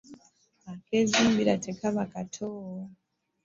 Akezimbira tekaba kato.